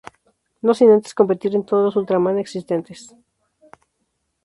No sin antes competir en todos los Ultraman existentes.